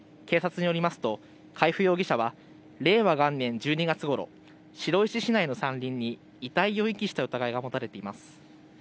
警察によりますと海部容疑者は令和元年１２月ごろ、白井市市内の山林に遺体を遺棄した疑いが持たれています。